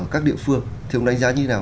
các địa phương thì ông đánh giá như nào